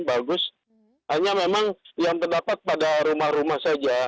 bagus hanya memang yang terdapat pada rumah rumah saja